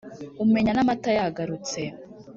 Umenya n’amata yagarutse.